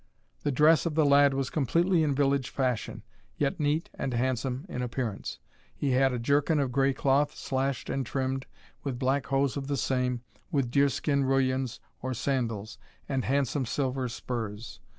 The dress of the lad was completely in village fashion, yet neat and handsome in appearance. He had a jerkin of gray cloth slashed and trimmed, with black hose of the same, with deer skin rullions or sandals, and handsome silver spurs.